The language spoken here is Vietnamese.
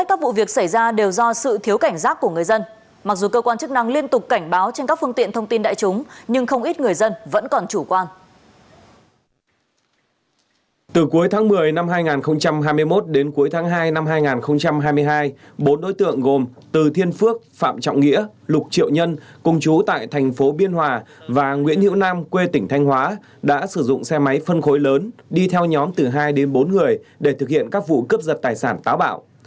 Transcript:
từ cuối tháng một mươi năm hai nghìn hai mươi một đến cuối tháng hai năm hai nghìn hai mươi hai bốn đối tượng gồm từ thiên phước phạm trọng nghĩa lục triệu nhân công chú tại thành phố biên hòa và nguyễn hiệu nam quê tỉnh thanh hóa đã sử dụng xe máy phân khối lớn đi theo nhóm từ hai đến bốn người để thực hiện các vụ cướp giật tài sản táo bạo